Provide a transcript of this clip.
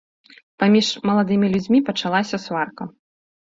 Паміж маладымі людзьмі пачалася сварка.